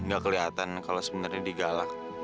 gak kelihatan kalau sebenarnya digalak